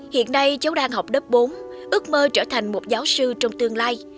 hiện nay cháu đang học lớp bốn ước mơ trở thành một giáo sư trong tương lai